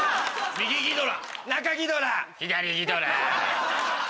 右ギドラ！